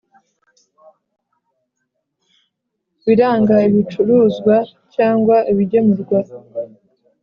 Biranga ibicuruzwa cyangwa ibigemurwa